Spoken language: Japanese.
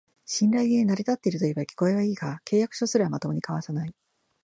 信頼で成り立ってるといえば聞こえはいいが、契約書すらまともに交わさない